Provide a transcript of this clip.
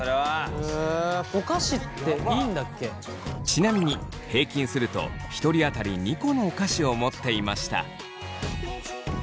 ちなみに平均すると１人当たり２個のお菓子を持っていました。